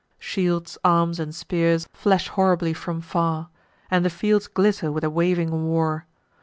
Shields, arms, and spears flash horribly from far; And the fields glitter with a waving war.